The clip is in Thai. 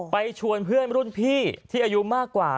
ชวนเพื่อนรุ่นพี่ที่อายุมากกว่า